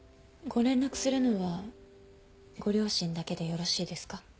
ご連絡するのはご両親だけでよろしいですか？